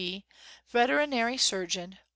B Veterinary Surge u.